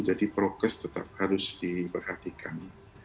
jadi progres tetap harus diperhatikan